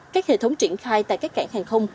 các hệ thống triển khai tại các cảng hàng không